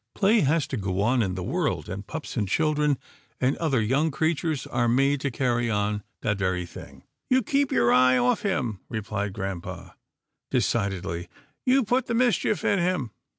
Play has to go on in the world, and pups and children, and other young creatures, are made to carry on that very thing." " You keep your eye off him," replied grampa, decidedly. " You put the mischief in him."